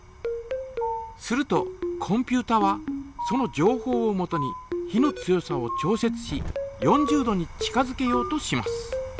するとコンピュータはそのじょうほうをもとに火の強さを調節し４０度に近づけようとします。